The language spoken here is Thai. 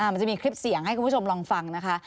มันจะมีคลิปเสียงให้คุณผู้ชมลองฟังนะคะ